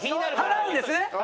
払うんですね？